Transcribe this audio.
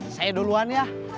saya duluan ya